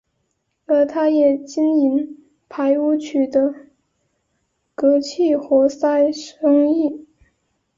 而他也经营排污渠的隔气活塞生意。